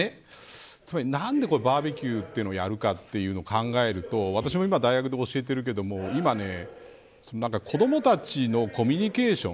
つまり何でバーベキューというのをやるかというのを考えると私も今、大学で教えているけど今、子どもたちのコミュニケーション